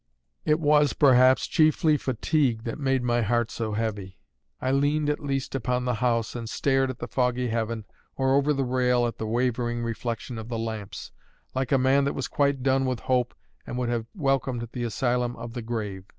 It was, perhaps, chiefly fatigue that made my heart so heavy. I leaned at least upon the house, and stared at the foggy heaven, or over the rail at the wavering reflection of the lamps, like a man that was quite done with hope and would have welcomed the asylum of the grave.